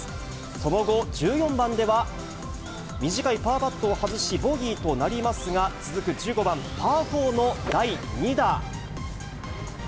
その後、１４番では短いパーパットを外し、ボギーとなりますが、続く１５番パーフォーの第２打。